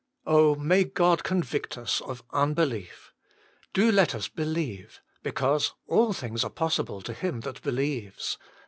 " Oh I may God convict us of 24 Je%u9 Himself, unbelief. Do let us believe because all things are possible to him that believes.